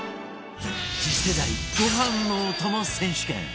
次世代ご飯のお供選手権